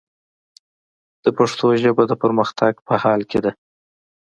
د پښتو ژبه، د پرمختګ په حال کې ده.